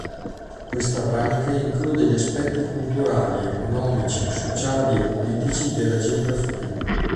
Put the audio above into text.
Questa branca include gli aspetti culturali, economici, sociali e politici della geografia.